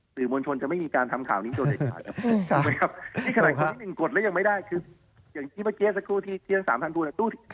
สื่อมวลชนจะไม่มีการทำข่าวนี้โดยเฉพาะครับ